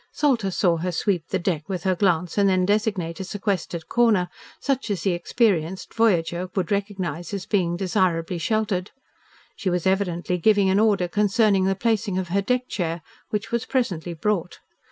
Salter saw her sweep the deck with her glance and then designate a sequestered corner, such as the experienced voyager would recognise as being desirably sheltered. She was evidently giving an order concerning the placing of her deck chair, which was presently brought.